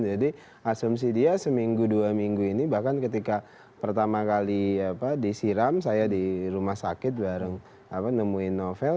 jadi asumsi dia seminggu dua minggu ini bahkan ketika pertama kali disiram saya di rumah sakit bareng nemuin novel